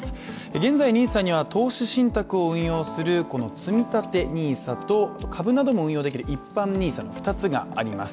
現在、ＮＩＳＡには投資信託を運用するつみたてＮＩＳＡと株なども運用できる一般ＮＩＳＡの２つがあります。